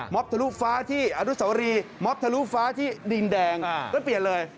บททะลุฟ้าที่อนุสวรีม็อบทะลุฟ้าที่ดินแดงแล้วเปลี่ยนเลย